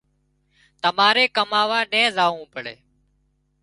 تماري ڪماوا نين زاوون پڙي